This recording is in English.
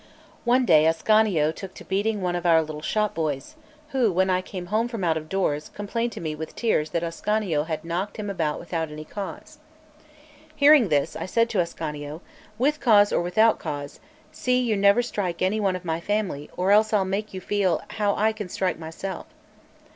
One day Ascanio took to beating one of our little shopboys, who, when I came home from out of doors, complained to me with tears that Ascanio had knocked him about without any cause. Hearing this, I said to Ascanio: "With cause or without cause, see you never strike any one of my family, or else I'll make you feel how I can strike myself."